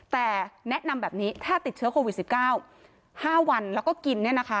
แต่แนะนำแบบนี้ถ้าติดเชื้อโควิด๑๙๕วันแล้วก็กิน